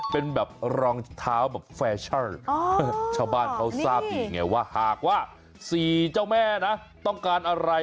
เป็นแบบรองเท้าแบบแฟชั่นชาวบ้านเขาทราบดีไงว่าหากว่า๔เจ้าแม่นะต้องการอะไร